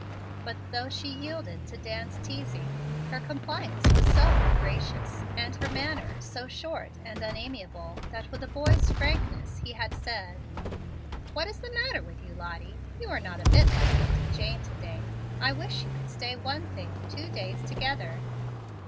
But, though she yielded to Dan's teasing, her compliance was so ungracious, and her manner so short and unamiable, that with a boy's frankness he had said: "What is the matter with you, Lottie? You are not a bit like Auntie Jane to day. I wish you could stay one thing two days together."